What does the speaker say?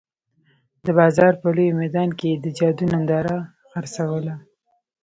د بازار په لوی میدان کې یې د جادو ننداره خرڅوله.